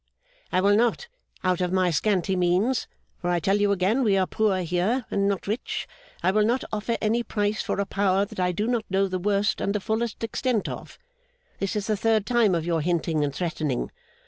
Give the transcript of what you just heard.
I will not out of my scanty means for I tell you again, we are poor here, and not rich I will not offer any price for a power that I do not know the worst and the fullest extent of. This is the third time of your hinting and threatening.